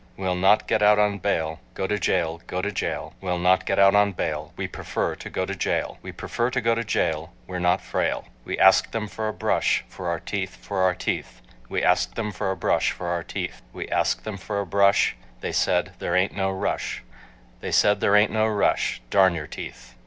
We'll not get out on bail, Go to jail, go to jail— We'll not get out on bail, We prefer to go to jail, We prefer to go to jail—we're not frail. We asked them for a brush, For our teeth, for our teeth, We asked them for a brush For our teeth. We asked them for a brush, They said, "There ain't no rush," They said, "There ain't no rush—darn your teeth."